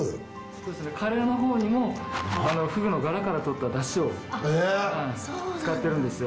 カレーの方にもフグのがらから取っただしを使ってるんですよ。